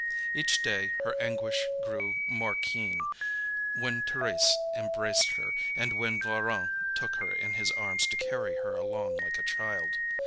Each day her anguish grew more keen, when Thérèse embraced her, and when Laurent took her in his arms to carry her along like a child.